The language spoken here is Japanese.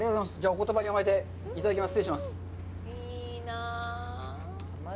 お言葉に甘えていただきます。